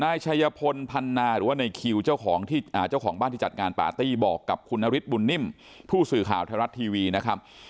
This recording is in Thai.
นายชัยพลพันนาหรือว่าในคิวเจ้าของบ้านที่จัดงานปาร์ตี้บอกกับคุณนฤทธิบุญนิ่มผู้สื่อข่าวไทยรัฐทีวีนะครับ